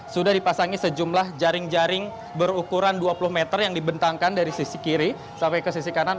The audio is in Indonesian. sudah dipasangi sejumlah jaring jaring berukuran dua puluh meter yang dibentangkan dari sisi kiri sampai ke sisi kanan